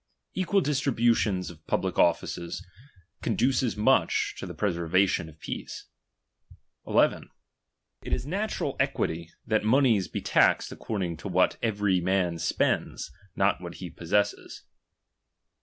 Equal distribu tions of public oflicea conduces much to the preservation of peace. ] 1. It is natural equity, that monies be taxed accord ing to what every man spends, not what he possesses.